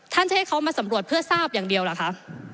จะให้เขามาสำรวจเพื่อทราบอย่างเดียวเหรอคะ